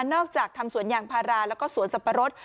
อกจากทำสวนยางพาราแล้วก็สวนสับปะรด